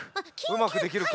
うまくできるか。